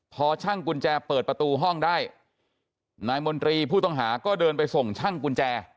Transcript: พอช่างกุญแจเปิดประตูห้องได้นายมนตรีผู้ต้องหาก็เดินไปส่งช่างกุญแจ